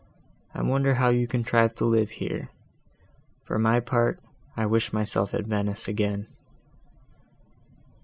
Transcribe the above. I wonder how you contrive to live here; for my part, I wish myself at Venice again."